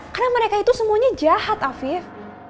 karena mereka itu semuanya jahat afif